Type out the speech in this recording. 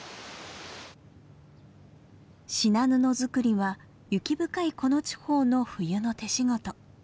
しな布作りは雪深いこの地方の冬の手仕事。